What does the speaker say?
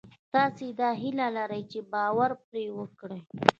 تاسې دا هیله لرئ چې باور پرې وکړئ